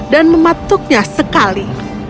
dan mematuknya sekali